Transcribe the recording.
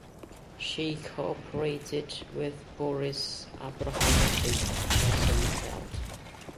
She cooperated with Boris Abramovich Rosenfeld.